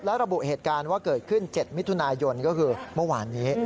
และระบุเหตุการณ์ว่าเกิดขึ้น๗มิถุนายนก็คือเมื่อวานนี้